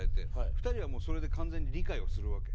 ２人はもうそれで完全に理解をするわけ？